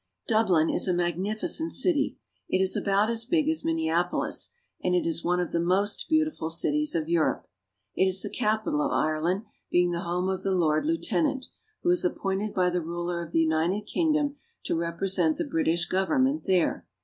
Dublin is a magnificent city. ' It is about as big as Min neapolis, and it is one of the most beautiful cities of Europe. It is the capital of Ireland, being the home of the Lord Lieutenant, who is appointed by the ruler of the United Kingdom to represent the British government there.